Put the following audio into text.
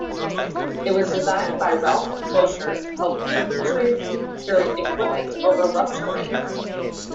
It was designed by Ralph Mosher to help infantry carry equipment over rough terrain.